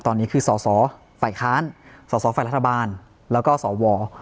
ตอนนี้คือสสฝคสสฝรัฐบาลแล้วก็สว